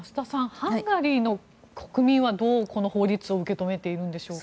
ハンガリーの国民はこの法律をどう受け止めているんでしょうか。